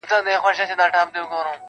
تر پښو لاندي قرار نه ورکاوه مځکي-